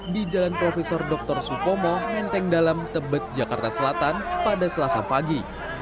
di jalan prof dr supomo menteng dalam tebet jakarta selatan pada selasa pagi